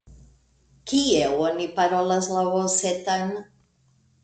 Kie oni parolas la osetan?